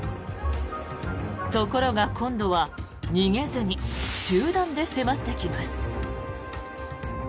ところが今度は逃げずに集団で迫ってきます。